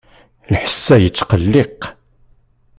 Lḥess-a yettqelliq.